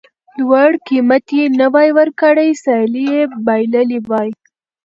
لوړ قېمت یې نه وای ورکړی سیالي یې بایللې وای.